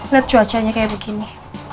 lihat cuacanya kayak begini